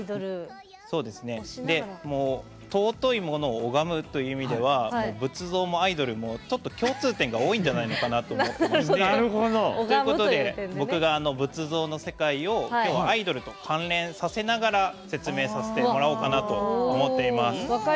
尊いものを拝むという意味では仏像もアイドルも共通点が多いんじゃないかと思いましてということで僕が仏像の世界をアイドルと関連させながら説明させてもらおうかなと思っています。